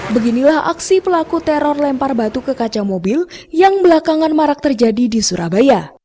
beginilah aksi pelaku teror lempar batu ke kaca mobil yang belakangan marak terjadi di surabaya